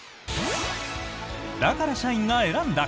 だから社員が選んだ！